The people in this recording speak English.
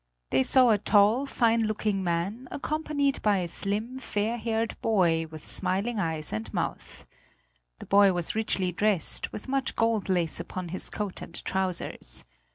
They saw a tall, fine looking man accompanied by a slim, fair haired boy with smiling eyes and mouth. The boy was richly dressed, with much gold lace upon his coat and trousers.